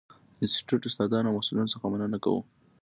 د انسټیټوت استادانو او محصلینو څخه مننه کوو.